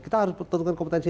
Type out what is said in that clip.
kita harus pertentukan kompetensi